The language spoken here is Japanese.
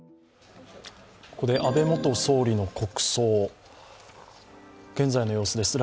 ここで安倍元総理の国葬、現在の様子です。